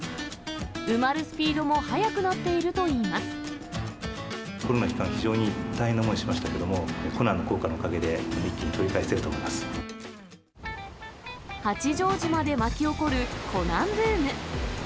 埋まるスピードも速くなっているコロナ期間、非常に大変な思いしましたけれども、コナンの効果のおかげで、一気に取り返せる八丈島で巻き起こるコナンブーム。